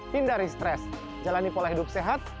hindari stres jalani pola hidup sehat